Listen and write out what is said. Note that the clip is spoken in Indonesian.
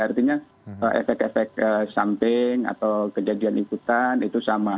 artinya efek efek samping atau kejadian ikutan itu sama